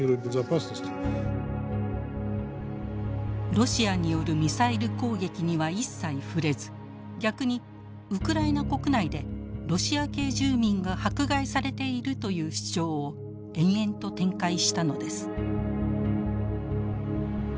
ロシアによるミサイル攻撃には一切触れず逆にウクライナ国内でロシア系住民が迫害されているという主張を延々と展開したのです。